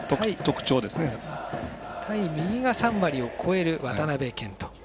対右が３割を超える渡部健人。